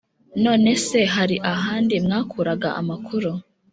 none se hari ahandi mwakuraga amakuru?